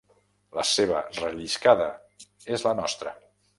La seva relliscada és la nostra.